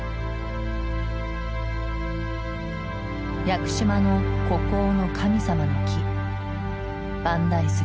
屋久島の孤高の神様の木万代杉。